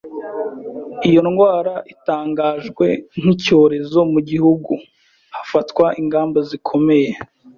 Iyo indwara itangajwe nk'icyorezo mu gihugu hafatwa ingamba zikomeye